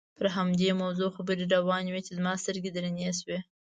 پر همدې موضوع خبرې روانې وې چې زما سترګې درنې شوې.